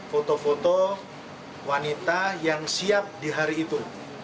foto foto wanita yang siap di hari itu